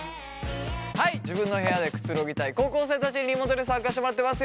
はい自分の部屋でくつろぎたい高校生たちにリモートで参加してもらってます。